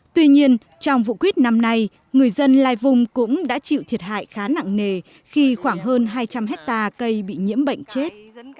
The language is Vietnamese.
tuy nhiên trong vụ quyết năm nay người dân lai vùng cũng đã chịu thiệt hại khá nặng nề khi khoảng hơn hai trăm linh hectare cây bị nhiễm bệnh chết